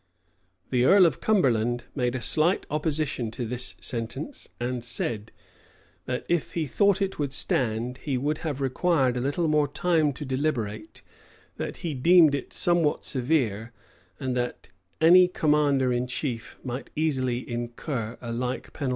[] The earl of Cumberland made a slight opposition to this sentence; and said, that if he thought it would stand, he would have required a little more time to deliberate; that he deemed it somewhat severe; and that any commander in chief might easily incur a like penalty.